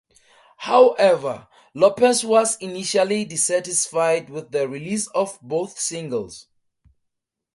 However, Lopez was initially dissatisfied with the release of both singles.